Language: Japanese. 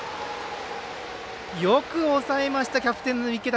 よく抑えましたキャプテンの池田。